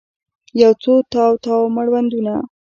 یوڅو تاو، تاو مړوندونه